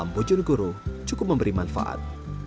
bojonegoro cukup memberi manfaat